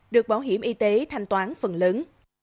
được bảo hiểm y tế thanh toán phần lớn